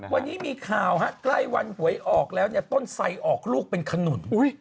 วันนี้มีข่าวใกล้วันหวยออกแล้วเนี่ยต้นไสออกลูกเป็นขนุน